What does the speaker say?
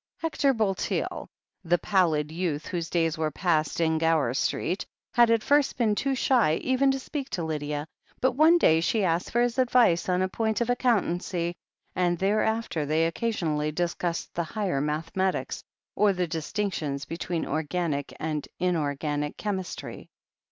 Hector Bulteel, the pallid youth whose days were passed in Gower Street, had at first been too shy even to speak to Lydia, but one day she asked for his advice on a point of accountancy, and thereafter they occa sionally discussed the higher mathematics or the dis tinctions between organic and inorganic chemistry.